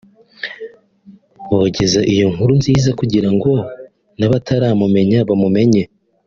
bogeza iyo nkuru nziza kugira ngo n’abataramumenya bamumenye